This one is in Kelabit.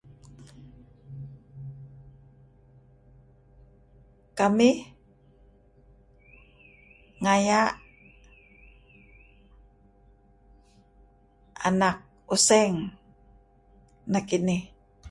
Kamih... ngaya'... anak useng... nekinih.